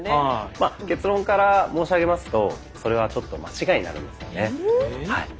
まあ結論から申し上げますとそれはちょっと間違えになるんですよね。